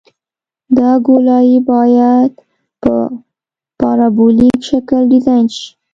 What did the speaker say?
دا ګولایي باید په پارابولیک شکل ډیزاین شي